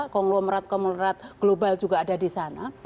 konglomerat konglomerat global juga ada di sana